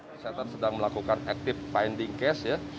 kesehatan sedang melakukan active finding case